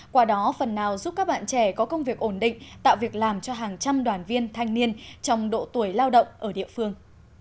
qua đó phần nào giúp các bạn trẻ có công việc ổn định tạo việc làm cho hàng trăm đoàn viên thanh niên trong độ tuổi lao động ở địa phương